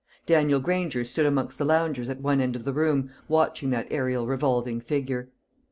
Daniel Granger stood amongst the loungers at one end of the room, watching that aerial revolving figure.